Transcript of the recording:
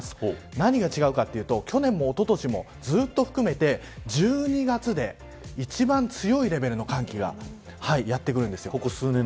何が違うかというと去年もおととしもずっと含めて１２月で一番強いレベルの寒気がやってくるんです。